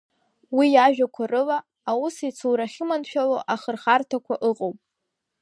Уи иажәақәа рыла, аусецура ахьыманшәалоу ахырхарҭақәа ыҟоуп.